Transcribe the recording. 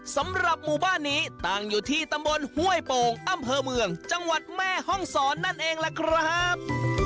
สำหรับหมู่บ้านนี้ตั้งอยู่ที่ตำบลห้วยโป่งอำเภอเมืองจังหวัดแม่ห้องศรนั่นเองล่ะครับ